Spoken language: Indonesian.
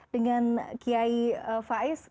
dengan kiai faiz